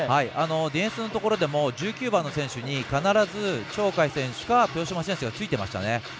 ディフェンスのところでも１９番の選手に必ず鳥海選手か豊島選手がついていましたね。